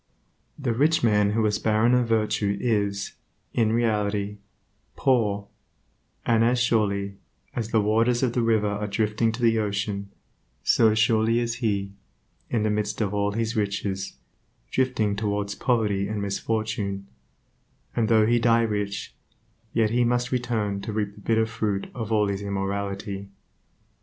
The rich man who is barren of virtue is, in reality, poor, and as surely, as the waters of the river are drifting to the ocean, so surely is he, in the midst of all his riches, drifting towards poverty and misfortune; and though he die rich, yet must he return to reap the bitter fruit of all of his immorality.